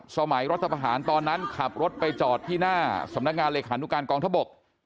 รัฐประหารตอนนั้นขับรถไปจอดที่หน้าสำนักงานเลขานุการกองทบก